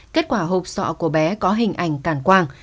kết quả hộp sọ của bé có hình ảnh cảm quang